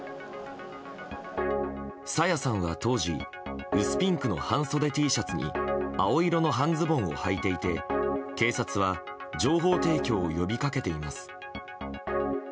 朝芽さんは当時薄ピンクの半袖Ｔシャツに青色の半ズボンをはいていて警察は情報提供を呼びかけています。